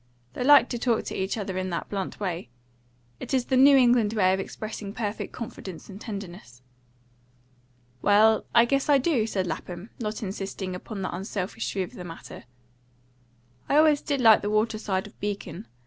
They liked to talk to each other in that blunt way; it is the New England way of expressing perfect confidence and tenderness. "Well, I guess I do," said Lapham, not insisting upon the unselfish view of the matter. "I always did like the water side of Beacon.